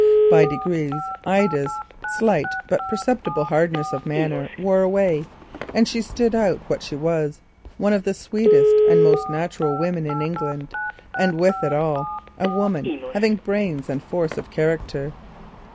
By degrees Ida's slight but perceptible hardness of manner wore away, and she stood out what she was, one of the sweetest and most natural women in England, and with it all, a woman having brains and force of character.